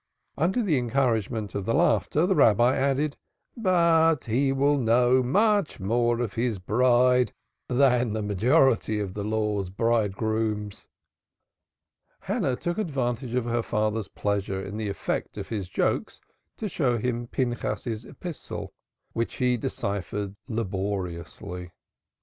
Under the encouragement of the laughter, the Rabbi added: "But he will know much more of his Bride than the majority of the Law's Bridegrooms." Hannah took advantage of her father's pleasure in the effect of his jokes to show him Pinchas's epistle, which he deciphered laboriously.